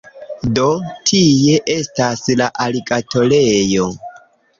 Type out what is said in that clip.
Do, tie estas la aligatorejo